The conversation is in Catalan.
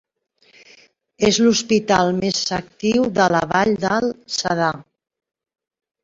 És l'hospital més actiu de la vall del Cedar.